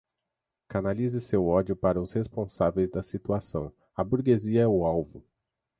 Canalize seu ódio para os responsáveis da situação, a burguesia é o alvo